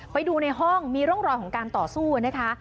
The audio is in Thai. ไปดูในห้องมีร่องรอยของการต่อสู้นะคะ